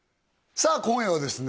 さあ今夜はですね